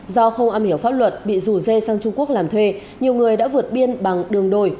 do không am hiểu pháp luật bị rủ dê sang trung quốc làm thuê nhiều người đã vượt biên bằng đường đồi